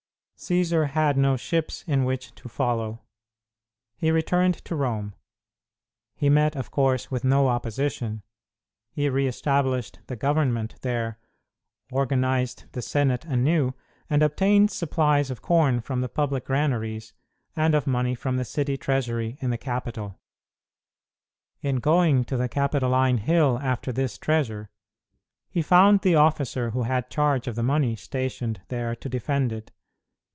Cćsar had no ships in which to follow. He returned to Rome. He met, of course, with no opposition. He re established the government there, organized the Senate anew, and obtained supplies of corn from the public granaries and of money from the city treasury in the capital. In going to the Capitoline Hill after this treasure, he found the officer who had charge of the money stationed there to defend it.